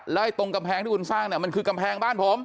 แล้วตรงกำแพงที่คุณสร้างเนี่ยมันคือกำแพงบ้านผม